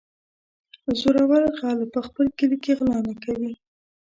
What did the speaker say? زورور غل په خپل کلي کې غلا نه کوي.